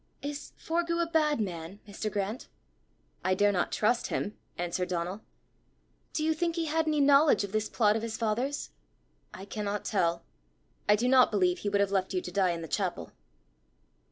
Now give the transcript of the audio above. "Is Forgue a bad man, Mr. Grant?" "I dare not trust him," answered Donal. "Do you think he had any knowledge of this plot of his father's?" "I cannot tell. I do not believe he would have left you to die in the chapel."